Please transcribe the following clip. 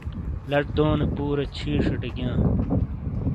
لَچ دونے پُورے چھِیشِیٹے گِیاں۔